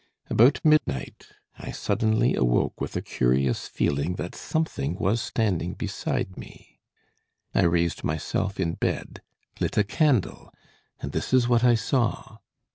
"About midnight I suddenly awoke with a curious feeling that something was standing beside me. I raised myself in bed, lit a candle, and this is what I saw.